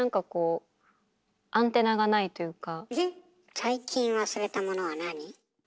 最近忘れたものは何？